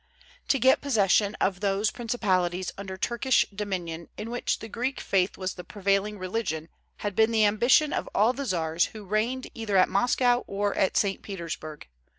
To get possession of those principalities under Turkish dominion in which the Greek faith was the prevailing religion had been the ambition of all the czars who reigned either at Moscow or at St. Petersburg.